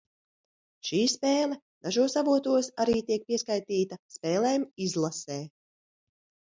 Šī spēle dažos avotos arī tiek pieskaitīta spēlēm izlasē.